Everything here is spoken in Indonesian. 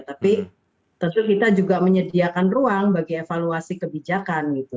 tapi tentu kita juga menyediakan ruang bagi evaluasi kebijakan gitu